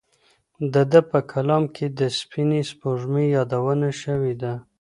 د ده په کلام کې د سپینې سپوږمۍ یادونه شوې ده.